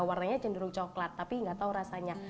warnanya cenderung coklat tapi nggak tahu rasanya